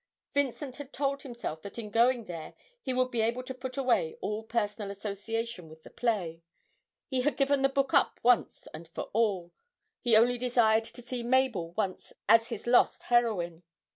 Vincent had told himself that in going there he would be able to put away all personal association with the play; he had given the book up once and for all, he only desired to see Mabel once as his lost heroine.